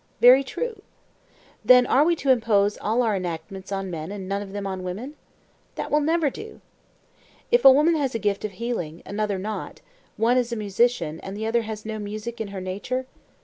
Very true. Then are we to impose all our enactments on men and none of them on women? That will never do. One woman has a gift of healing, another not; one is a musician, and another has no music in her nature?